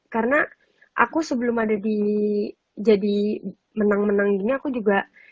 karena aku sebelum ada di jadi menang menang gini aku juga